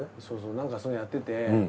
そうそうなんかそういうのやってて。